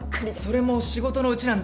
それも仕事のうちなんだって。